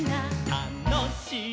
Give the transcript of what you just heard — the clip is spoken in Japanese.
「たのしい！」